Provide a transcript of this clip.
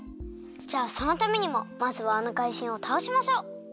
じゃあそのためにもまずはあのかいじんをたおしましょう！